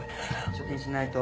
貯金しないと。